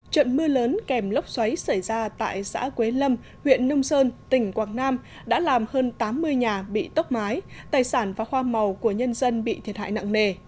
trận mưa lớn kèm lốc xoáy xảy ra tại xã quế lâm huyện nông sơn tỉnh quảng nam đã làm hơn tám mươi nhà bị tốc mái tài sản và khoa màu của nhân dân bị thiệt hại nặng nề